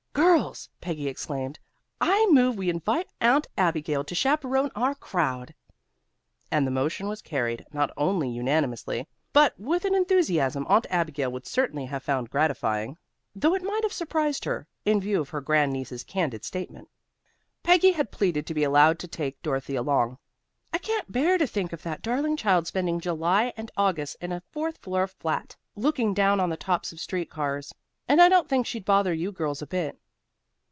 "Girls," Peggy exclaimed, "I move we invite Aunt Abigail to chaperon our crowd!" And the motion was carried not only unanimously, but with an enthusiasm Aunt Abigail would certainly have found gratifying, though it might have surprised her, in view of her grand niece's candid statement. Peggy had pleaded to be allowed to take Dorothy along. "I can't bear to think of that darling child spending July and August in a fourth floor flat, looking down on the tops of street cars. And I don't think she'd bother you girls a bit."